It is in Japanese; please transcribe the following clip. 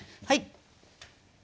はい。